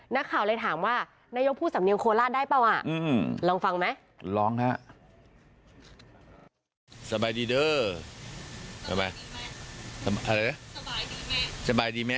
นักข่าวเลยถามว่านายกพูดสำเนียงโคราชได้เปล่าอ่ะลองฟังไหม